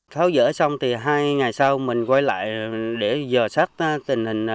tháo rỡ xong thì hai ngày sau mình quay lại để dò sát tình hình